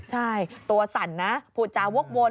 ใช่ตัวสั่นผู้จาววกวล